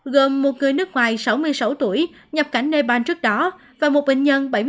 gồm một người nước ngoài sáu mươi sáu tuổi nhập cảnh nepal trước đó và một bệnh nhân